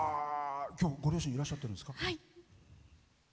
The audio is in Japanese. きょうご両親いらっしゃってるんですか。